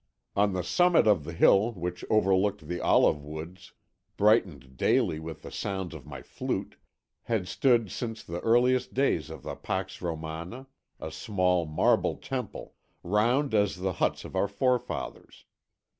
"On the summit of the hill which overlooked the olive woods, brightened daily with the sounds of my flute, had stood since the earliest days of the Pax Romana, a small marble temple, round as the huts of our forefathers.